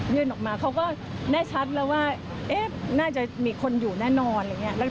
ยื่นออกมาเขาก็แน่ชัดแล้วว่าน่าจะมีคนอยู่แน่นอนอะไรอย่างนี้